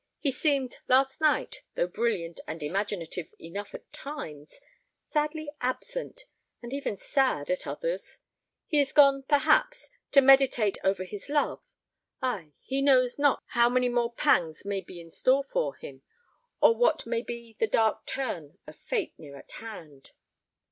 he seemed, last night, though brilliant and imaginative enough at times, sadly absent, and even sad at others. He is gone, perhaps, to meditate over his love; ay, he knows not how many more pangs may be in store for him, or what may be the dark turn of fate near at hand.